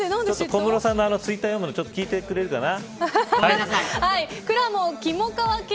小室さんのツイッター読むの聞いてくれるかな。